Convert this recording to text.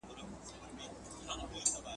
آیا ښځه په تعليم کي له نارينه شاته پاته ده؟